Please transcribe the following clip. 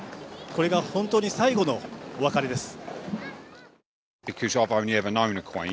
これが本当に最後のお別れです